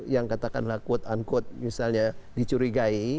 yang katakanlah quote unquote misalnya dicurigai